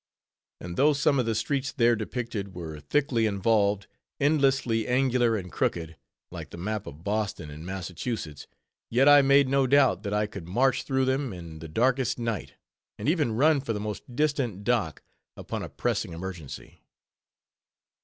And though some of the streets there depicted were thickly involved, endlessly angular and crooked, like the map of Boston, in Massachusetts, yet, I made no doubt, that I could march through them in the darkest night, and even run for the most distant dock upon a pressing emergency.